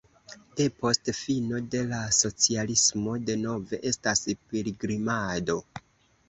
Depost fino de la socialismo denove estas pilgrimado.